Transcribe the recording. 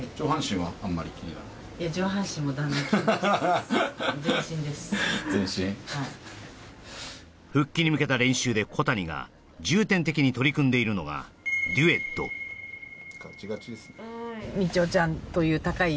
はい復帰に向けた練習で小谷が重点的に取り組んでいるのがデュエットガチガチですね